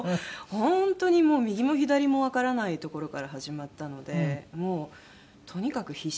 本当にもう右も左もわからないところから始まったのでもうとにかく必死でしたね。